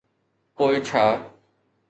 پوءِ ڇا.